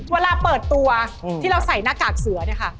เวลาเปิดตัวที่เราใส่หน้ากากเสือเนี่ยค่ะ